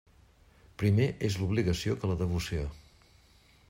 Primer és l'obligació que la devoció.